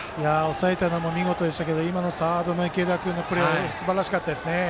抑えたのも見事でしたけど今のサードの池田君のプレーすばらしかったですね。